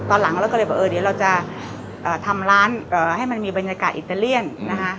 ตอนหลังเราก็เลยบอกเออเดี๋ยวเราจะทำร้านให้มันมีบรรยากาศอิตาเลียนนะคะ